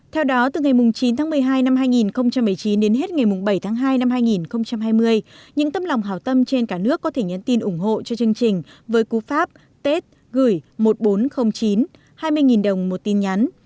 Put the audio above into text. theo đó từ ngày chín tháng một mươi hai năm hai nghìn một mươi chín đến hết ngày bảy tháng hai năm hai nghìn hai mươi những tâm lòng hào tâm trên cả nước có thể nhắn tin ủng hộ cho chương trình với cú pháp tết gửi một nghìn bốn trăm linh chín hai mươi đồng một tin nhắn